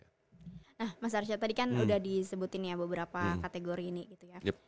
nah mas arsyad tadi kan udah disebutin ya beberapa kategori ini gitu ya